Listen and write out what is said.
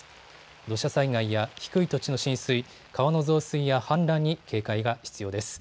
土砂災害や低い土地の浸水、川の増水や氾濫に警戒が必要です。